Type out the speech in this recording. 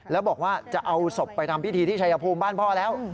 แล้วบอกว่าจะเอาศพไปทำพิธีที่ชายภูมิบ้านพ่อแล้ว